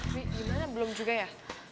tapi gimana belum juga ya